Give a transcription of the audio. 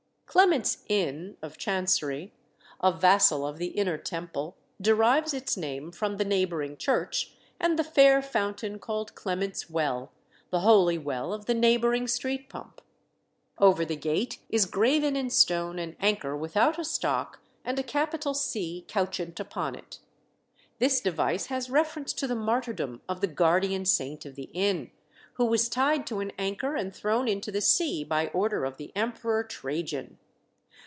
Clement's Inn (of Chancery), a vassal of the Inner Temple, derives its name from the neighbouring church, and the "fair fountain called Clement's Well," the Holy Well of the neighbouring street pump. Over the gate is graven in stone an anchor without a stock and a capital C couchant upon it. This device has reference to the martyrdom of the guardian saint of the inn, who was tied to an anchor and thrown into the sea by order of the emperor Trajan.